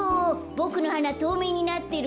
ボクのはなとうめいになってる？